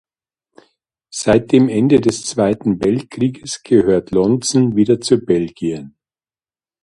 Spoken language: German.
Seit dem Ende des Zweiten Weltkrieges gehört Lontzen wieder zu Belgien.